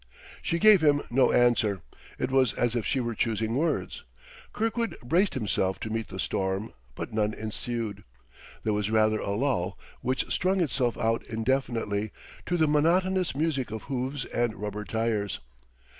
She gave him no answer; it, was as if she were choosing words. Kirkwood braced himself to meet the storm; but none ensued. There was rather a lull, which strung itself out indefinitely, to the monotonous music of hoofs and rubber tires.